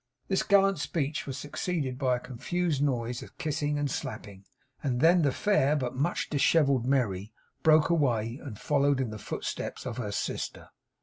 This gallant speech was succeeded by a confused noise of kissing and slapping; and then the fair but much dishevelled Merry broke away, and followed in the footsteps of her sister.